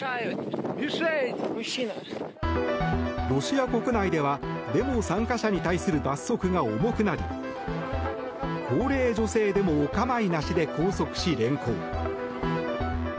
ロシア国内ではデモ参加者に対する罰則が重くなり高齢女性でもお構いなしで拘束し連行。